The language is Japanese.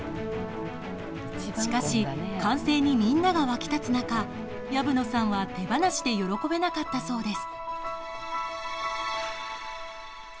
しかし完成にみんなが沸き立つ中薮野さんは手放しで喜べなかったそうです。